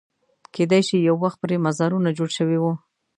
کېدای شي یو وخت پرې مزارونه جوړ شوي وو.